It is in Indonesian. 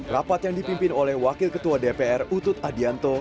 rapat yang dipimpin oleh wakil ketua dpr utut adianto